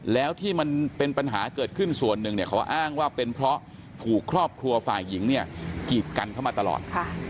แล้วที่มันเป็นปัญหาเกิดขึ้นส่วนหนึ่งเนี่ยเขาอ้างว่าเป็นเพราะถูกครอบครัวฝ่ายหญิงเนี่ยกีดกันเข้ามาตลอด